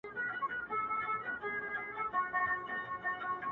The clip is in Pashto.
يو له لوږي مړ کېدی، بل ئې سر ته پراټې لټولې.